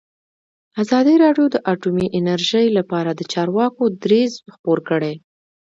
ازادي راډیو د اټومي انرژي لپاره د چارواکو دریځ خپور کړی.